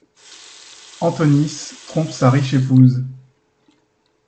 Antonis trompe sa riche épouse.